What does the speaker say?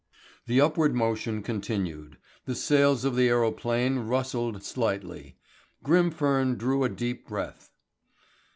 The upward motion continued. The sails of the aerophane rustled slightly. Grimfern drew a deep breath.